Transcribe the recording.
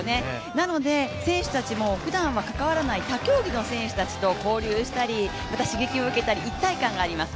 なので、選手たちもふだんは関わらない他競技の選手たちと交流したり、刺激を受けたり、一体感があります。